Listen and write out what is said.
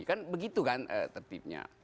kan begitu kan tertibnya